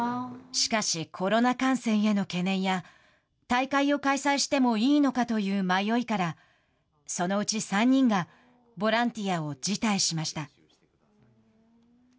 しかし、コロナ感染への懸念や大会を開催してもいいのかという迷いからそのうち３人がボランティアを辞退しました。